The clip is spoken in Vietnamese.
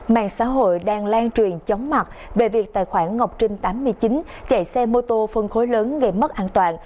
mạng xã hội đang lan truyền chóng mặt về việc tài khoản ngọc trinh tám mươi chín chạy xe mô tô phân khối lớn gây mất an toàn